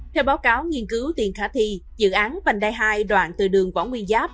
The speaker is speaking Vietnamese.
theo báo cáo nghiên cứu tiền khả thi dự án vành đai hai đoạn từ đường võ nguyên giáp